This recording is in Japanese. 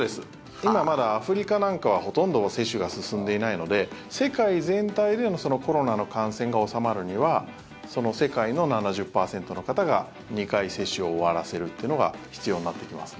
今まだ、アフリカなんかはほとんど接種が進んでいないので世界全体でのコロナの感染が収まるには世界の７０％の方が２回接種を終わらせるというのが必要になってきますね。